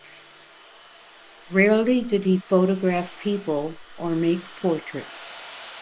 Rarely did he photograph people or make portraits.